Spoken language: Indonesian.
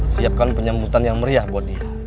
siapkan penyambutan yang meriah buat dia